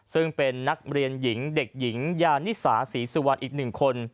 ซึ่งเป็นนักเรียนหญิงเด็กหญิงยานิสาศรีสุวรรณอีก๑คน